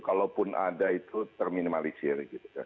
kalaupun ada itu terminimalisir